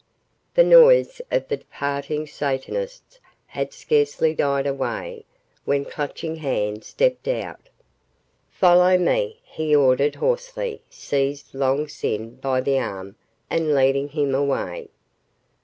The noise of the departing Satanists had scarcely died away when Clutching Hand stepped out. "Follow me," he ordered hoarsely seizing Long Sin by the arm and leading him away.